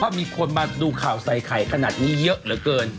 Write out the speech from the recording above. มีคนมาดูข่าวใส่ไข่ขนาดนี้เยอะเหลือเกิน